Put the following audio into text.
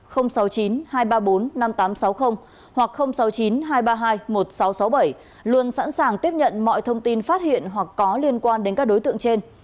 hoặc sáu mươi chín hai trăm ba mươi hai một nghìn sáu trăm sáu mươi bảy luôn sẵn sàng tiếp nhận mọi thông tin phát hiện hoặc có liên quan đến các đối tượng trên